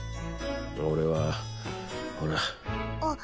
俺はほらあっ